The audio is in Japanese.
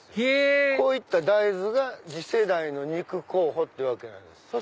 へぇこういった大豆が次世代の肉候補っていうわけなんです。